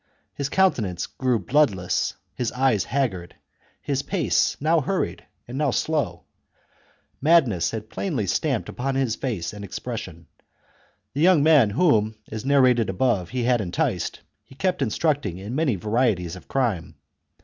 His countenance grew bloodless, his eyes haggard, his pace now hurried and now slow. Madness was plainly stamped upon his face and ex pression. The young men whom, as narrated above, chap. he had enticed, he kept instructing in many varieties of crime.